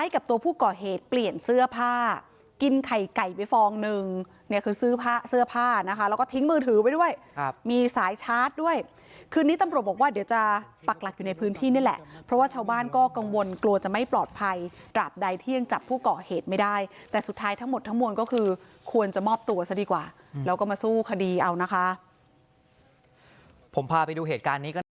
คืนนี้ตำรวจบอกว่าเดี๋ยวจะปรักหลักอยู่ในพื้นที่นี่แหละเพราะว่าชาวบ้านก็กังวลกลัวจะไม่ปลอดภัยตราบใดเที่ยงจับผู้เกาะเหตุไม่ได้แต่สุดท้ายทั้งหมดทั้งมวลก็คือควรจะมอบตัวซะดีกว่าแล้วก็มาสู้คดีเอานะคะ